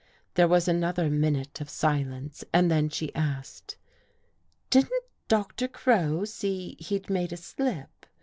There was another minute of silence and then she asked :" Didn't Doctor Crow see he'd made a slip